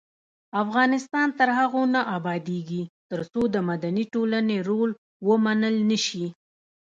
افغانستان تر هغو نه ابادیږي، ترڅو د مدني ټولنې رول ومنل نشي.